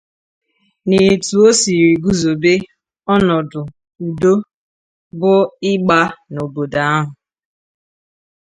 na etu o siri guzobe ọnọdụ udo bụ ịgbà n'obodo ahụ.